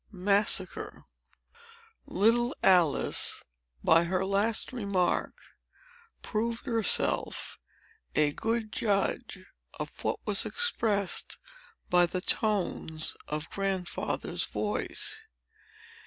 Chapter V Little Alice, by her last remark, proved herself a good judge of what was expressed by the tones of Grandfather's voice.